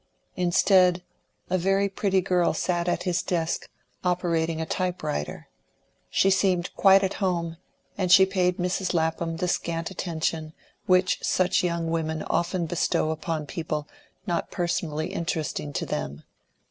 Instead, a very pretty girl sat at his desk, operating a typewriter. She seemed quite at home, and she paid Mrs. Lapham the scant attention which such young women often bestow upon people not personally interesting to them.